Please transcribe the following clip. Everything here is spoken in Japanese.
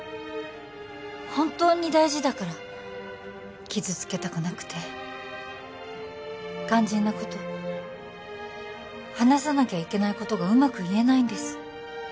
本当に大事だから傷つけたくなくて肝心なこと話さなきゃいけないことがうまく言えないんです